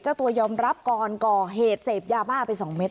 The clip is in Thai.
เจ้าตัวยอมรับก่อนก่อเหตุเสพยาบ้าไป๒เม็ด